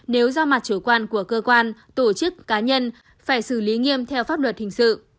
nếu do mặt chủ quan của cơ quan tổ chức cá nhân phải xử lý nghiêm theo pháp luật hình sự